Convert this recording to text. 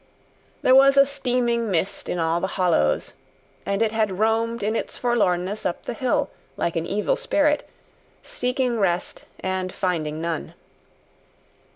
There was a steaming mist in all the hollows, and it had roamed in its forlornness up the hill, like an evil spirit, seeking rest and finding none.